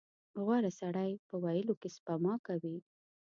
• غوره سړی په ویلو کې سپما کوي.